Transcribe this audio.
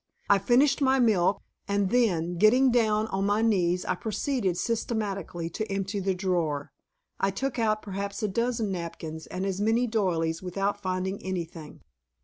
I finished my milk and then, getting down on my knees, I proceeded systematically to empty the drawer. I took out perhaps a dozen napkins and as many doilies without finding anything.